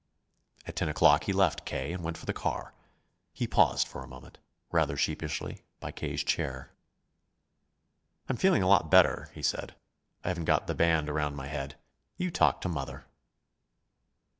At ten o'clock he left K. and went for the car. He paused for a moment, rather sheepishly, by K.'s chair. "I'm feeling a lot better," he said. "I haven't got the band around my head. You talk to mother."